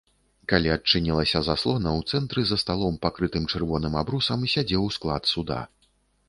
Калі адчынілася заслона, у цэнтры за сталом, пакрытым чырвоным абрусам, сядзеў склад суда.